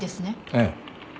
ええ。